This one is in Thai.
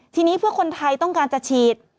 ทีนี้เพื่อคนไทยต้องการจะฉีด